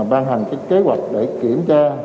ban hành kế hoạch để kiểm tra